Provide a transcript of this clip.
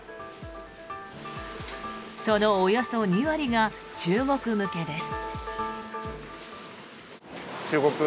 そのおよそ２割が中国向けです。